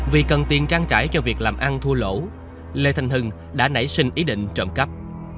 vì cần tiền trang trải cho việc làm ăn thua lỗ lê thanh hưng đã nảy sinh ý định trộm cắp